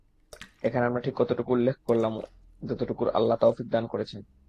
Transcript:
এখানে আমরা ঠিক ততটুকু উল্লেখ করলাম, যতটুকুর আল্লাহ তাওফীক দান করেছেন।